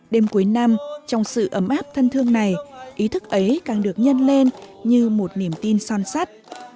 đêm cuối năm trong sự ấm áp thân thương này ý thức ấy càng được nhân lên như một niềm tin son sắt